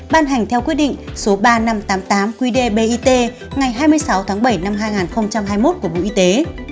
ban hành theo quyết định số ba nghìn năm trăm tám mươi tám qdbit ngày hai mươi sáu tháng bảy năm hai nghìn hai mươi một của bộ y tế